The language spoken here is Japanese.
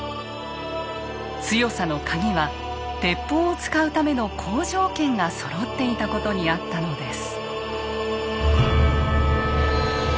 強さの鍵は鉄砲を使うための好条件がそろっていたことにあったのです。